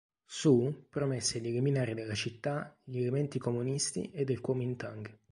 Su promesse di eliminare dalla città gli elementi comunisti e del Kuomintang.